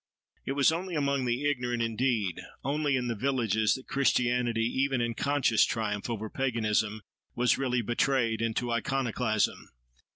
It was only among the ignorant, indeed, only in the "villages," that Christianity, even in conscious triumph over paganism, was really betrayed into iconoclasm.